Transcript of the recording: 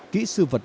kỹ sư và các bác sĩ